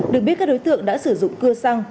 được biết các đối tượng đã sử dụng cưa xăng